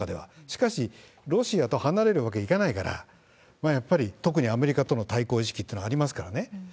しかし、ロシアと離れるわけにいかないから、やっぱりとくにアメリカとの対抗意識というのはありますからね。